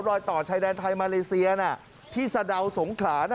รอยต่อชายแดนไทยมาเลเซียที่สะดาวสงขลา